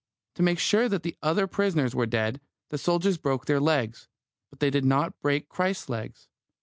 To make sure that the other prisoners were dead, the soldiers broke their legs. But they did not break Christ's legs.